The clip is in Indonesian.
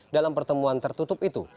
dalam pertemuan tertutup itu